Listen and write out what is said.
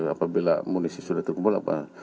apabila munisi sudah terkumpul apa